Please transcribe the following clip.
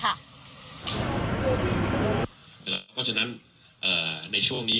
เพราะฉะนั้นในช่วงนี้